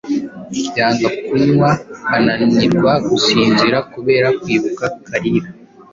yanga kunywa; ananirwa gusinzira kubera kwibuka Kalira